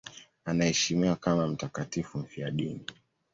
Anaheshimiwa kama mtakatifu mfiadini.